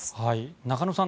中野さん